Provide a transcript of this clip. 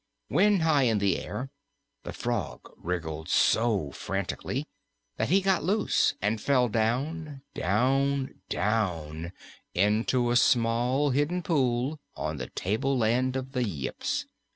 When high in the air, the frog wriggled so frantically that he got loose and fell down, down, down into a small hidden pool on the tableland of the Yips.